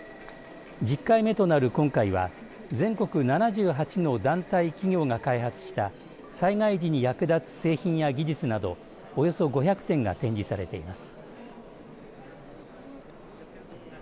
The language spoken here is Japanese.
１０回目となる今回は全国７８の団体、企業が開発した災害時に役立つ製品や技術などおよそ５００点が展示されています。